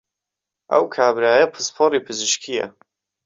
ئەو کابرایە پسپۆڕی پزیشکییە